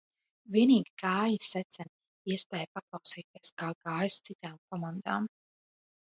Vienīgi gāja secen iespēja paklausīties, kā gājis citām komandām.